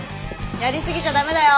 やり過ぎちゃ駄目だよ。